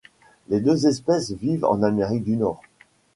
Les deux espèces vivent en Amérique du Nord.